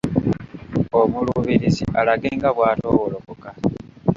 Omuluubirizi alage nga bw’atoowolokoka